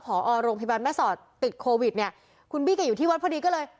พอโรงพยาบาลแม่สอดติดโควิดเนี่ยคุณบี้ก็อยู่ที่วัดพอดีก็เลย